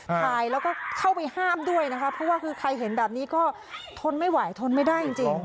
ถ่ายแล้วก็เข้าไปห้ามด้วยนะคะเพราะว่าคือใครเห็นแบบนี้ก็ทนไม่ไหวทนไม่ได้จริง